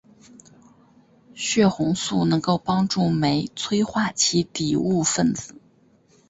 血红素能够帮助酶催化其底物分子。